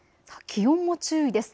気温も注意です。